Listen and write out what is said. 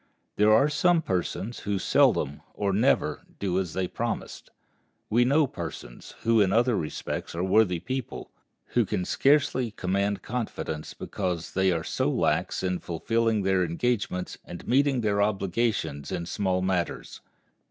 There are some persons who seldom, or never, do as they promised. We know persons, who in other respects are worthy people, who can scarcely command confidence, because they are so slack in fulfilling their engagements and meeting their obligations in small matters.